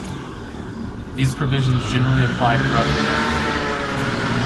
These provisions generally apply throughout the United Kingdom.